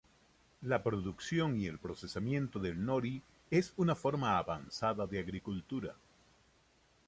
La producción y el procesamiento del "nori" es una forma avanzada de agricultura.